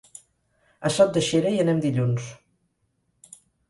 A Sot de Xera hi anem dilluns.